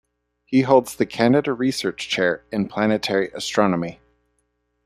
He holds the Canada Research Chair in Planetary Astronomy.